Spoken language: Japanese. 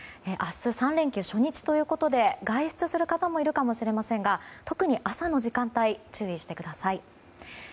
明日、３連休初日ということで外出される方もいるかもしれませんが特に朝の時間帯注意してください。